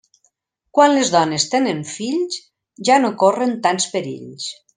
Quan les dones tenen fills, ja no corren tants perills.